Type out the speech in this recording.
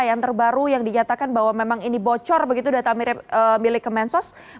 yang terbaru yang dinyatakan bahwa memang ini bocor begitu data milik kementerian sosial